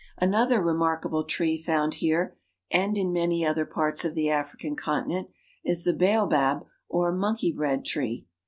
Another remarkable tree found here and in many other parts of the African continent is the baobab or monkey bread tree.